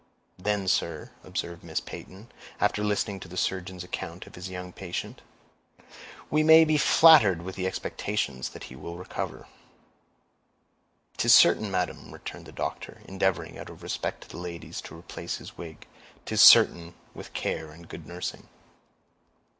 "Then, sir," observed Miss Peyton, after listening to the surgeon's account of his young patient, "we may be flattered with the expectation that he will recover." "'Tis certain, madam," returned the doctor, endeavoring, out of respect to the ladies, to replace his wig; "'tis certain, with care and good nursing."